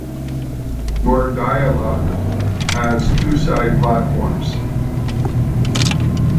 Mordialloc has two side platforms.